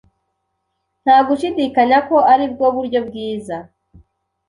Nta gushidikanya ko aribwo buryo bwiza.